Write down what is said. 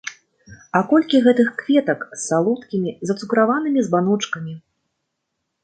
А колькі гэтых кветак з салодкімі, зацукраванымі збаночкамі!